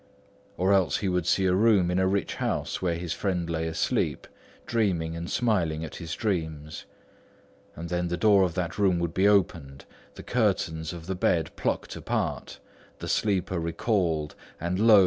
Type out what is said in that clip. Or else he would see a room in a rich house, where his friend lay asleep, dreaming and smiling at his dreams; and then the door of that room would be opened, the curtains of the bed plucked apart, the sleeper recalled, and lo!